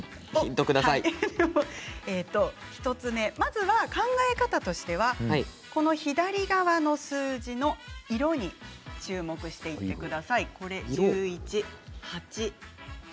１つ目まずは考え方として左側の数字の色に注目してください。